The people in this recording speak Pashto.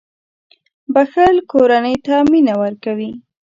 • بښل کورنۍ ته مینه ورکوي.